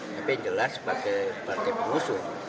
tapi yang jelas sebagai partai pengusung